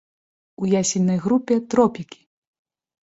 У ясельнай групе тропікі!